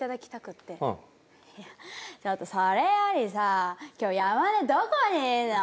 「いやちょっとそれよりさあ今日山根どこにいるの？